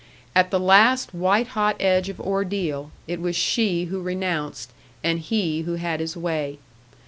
At the last white hot edge of ordeal, it was she who renounced, and he who had his way.